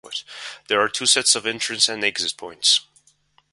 There are two sets of entrance and exit points.